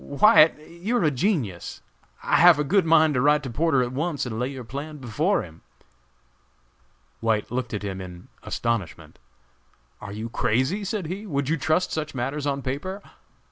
"White, you're a genius! I have a good mind to write to Porter at once and lay your plan before him." White looked at him in astonishment. "Are you crazy?" said he; "would you trust such matters on paper?